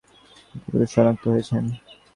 দক্ষিণ পূর্ব দিকে শত্রু শনাক্ত হয়েছে।